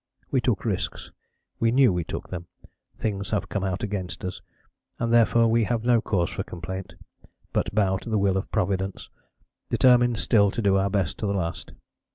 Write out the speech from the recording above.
We took risks, we knew we took them; things have come out against us, and therefore we have no cause for complaint, but bow to the will of Providence, determined still to do our best to the last.